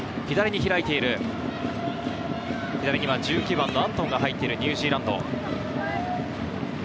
左には１９番のアントンが入っているニュージーランド。